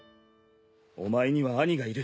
お前には兄がいる。